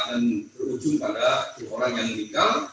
dan terujung pada dua orang yang meninggal